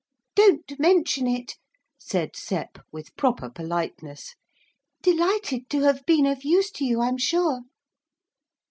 'Don't mention it,' said Sep with proper politeness, 'delighted to have been of use to you, I'm sure.'